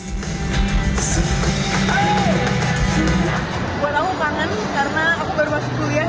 gue baru masuk kuliah dan lagu lagu pertama ini ini sama teman teman kuliah kangen